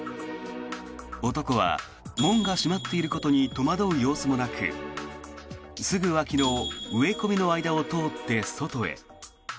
男は門が閉まっていることに戸惑う様子もなくすぐ脇の植え込みの間を通って外へ。